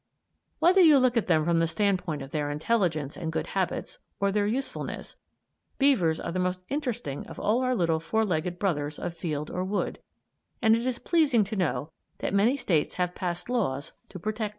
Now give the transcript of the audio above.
Whether you look at them from the standpoint of their intelligence and good habits, or their usefulness, beavers are the most interesting of all our little four legged brothers of field or wood, and it is pleasing to know that many States have passed laws to protect them.